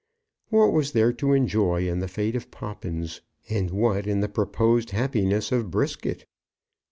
What was there to enjoy in the fate of Poppins, and what in the proposed happiness of Brisket?